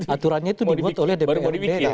aturannya itu dibuat oleh dpr